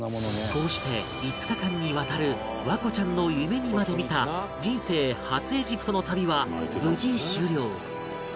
こうして５日間にわたる環子ちゃんの夢にまで見た人生初エジプトの旅は無事終了